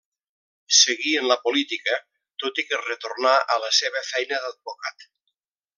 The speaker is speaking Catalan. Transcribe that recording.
Seguí en la política, tot i que retornà a la seva feina d'advocat.